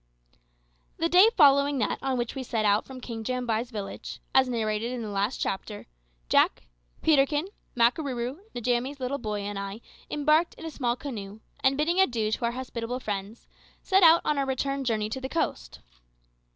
The day following that on which we set out from King Jambai's village, as narrated in the last chapter, Jack, Peterkin, Makarooroo, Njamie's little boy, and I embarked in a small canoe, and bidding adieu to our hospitable friends, set out on our return journey to the coast.